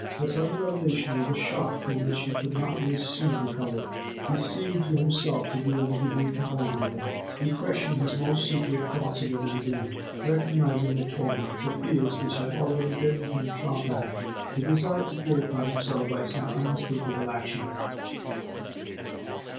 The sudden revelation was a shock from which he would not soon recover; he seemed to himself to be in a degree contaminated; he questioned his most secret thoughts again and again, recognizing with torment the fears which had already bidden him draw back; he desired to purify himself by some unmistakable action.